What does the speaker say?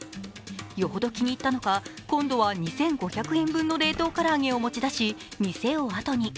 よほど気に入ったのか今度は２５００円分の冷凍唐揚げを持ち出し、店を後に。